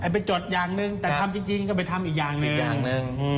ไปจดอย่างหนึ่งแต่ทำจริงก็ไปทำอีกอย่างหนึ่งอย่างหนึ่ง